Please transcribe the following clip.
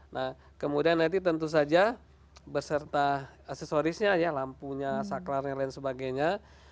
nah kemudian nanti tentu saja berserta aksesorisnya lampunya saklarnya lain sebagainya